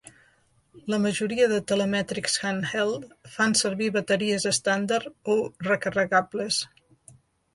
La majoria de telemètrics "handheld" fan servir bateries estàndard o recarregables.